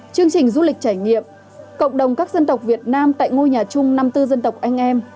chương trình du lịch trải nghiệm cộng đồng các dân tộc việt nam tại ngôi nhà chung năm mươi bốn dân tộc anh em